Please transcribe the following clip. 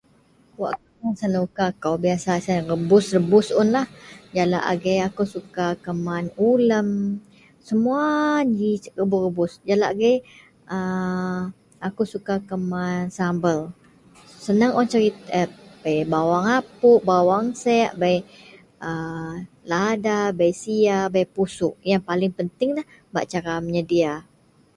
Wak senuka kou biasa siyen rebus-rebus un lah, jalak agei akou suka keman ulem, semua ji rebuih-rebuih jalak gei [a] akou suka keman sambel, seneng un cerita... Bei bawuong apuk, bawuong seak, bei lada, bei sia, bei pusuk, yang paling penting lah bak cara menyedia